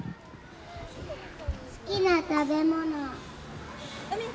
好きな食べ物。